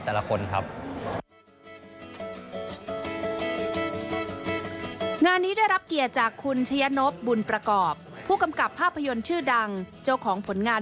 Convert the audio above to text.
โอกาสให้ใครไปเข้าไป